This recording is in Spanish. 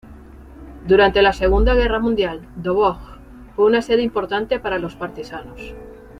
Durante la Segunda Guerra Mundial, Doboj fue una sede importante para los partisanos.